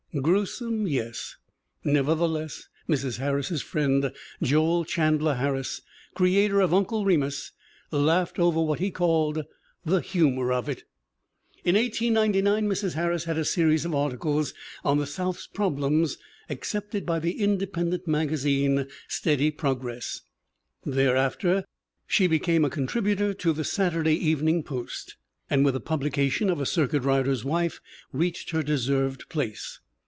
Gruesome, yes; nevertheless Mrs. Harris's friend, Joel Chandler Harris, creator of Uncle Remus, laughed over what he called the humor of it! In 1899 Mrs. Harris had a series of articles on the South's problems accepted by the Independent maga zine. Steady progress, thereafter; she became a con tributor to the Saturday Evening Post and with the publication of A Circuit Rider's Wife reached her deserved place.